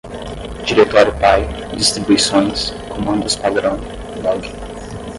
diretório-pai, distribuições, comandos-padrão, log